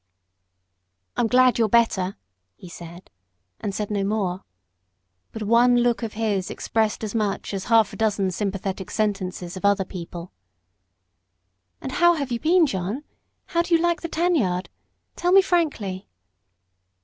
"I'm glad you're better," he said, and said no more. But one look of his expressed as much as half a dozen sympathetic sentences of other people. "And how have you been, John? How do you like the tan yard? Tell me frankly."